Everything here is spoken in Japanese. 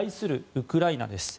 ウクライナです。